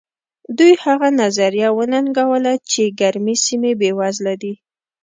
دوی هغه نظریه وننګوله چې ګرمې سیمې بېوزله دي.